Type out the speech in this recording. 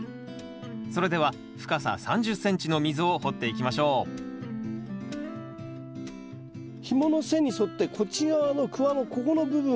それでは深さ３０ｃｍの溝を掘っていきましょうひもの線に沿ってこっち側のクワのここの部分をですね